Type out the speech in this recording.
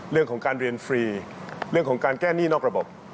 เรื่องของการเรียนฟรีเรื่องของการแก้หนี้นอกระบบ